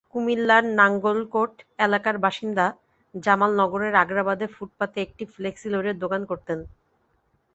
কুমিল্লার নাঙ্গলকোট এলাকার বাসিন্দা জামাল নগরের আগ্রাবাদে ফুটপাতে একটি ফ্লেক্সিলোডের দোকান করতেন।